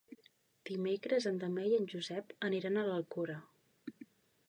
Dimecres na Damià i en Josep iran a l'Alcora.